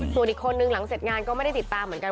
ส่วนอีกคนนึงหลังเสร็จงานก็ไม่ได้ติดตามเหมือนกัน